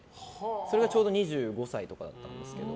それがちょうど２５歳とかだったんですけど。